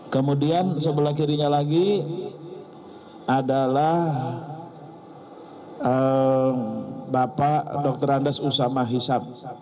kemudian sebelah kirinya lagi adalah bapak dr andes usama hisap